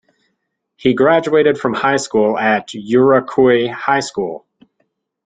He graduated from high school at Yuraikuei High School.